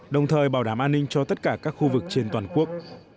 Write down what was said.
đồng thời bảo đảm an ninh cho tất cả các khu vực trên toàn quốc